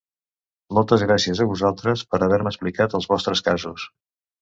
Moltes gràcies a vosaltres per haver-me explicat els vostres casos.